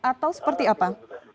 atau seperti apa